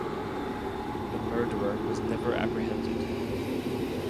The murderer was never apprehended.